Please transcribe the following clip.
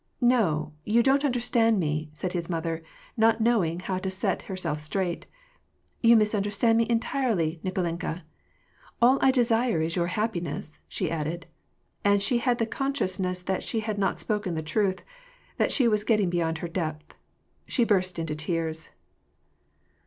<<No, you don't understand me," said his mother, not know ing how to set herself straight. '^You misunderstood me, entirely, Nikolinka. All I desire is your happiness," she added ; and she had the consciousness that she had not spoken the truth ; that she was getting beyond her depth. She burst into tears.